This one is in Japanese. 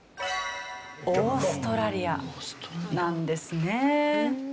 オーストラリアなんですね。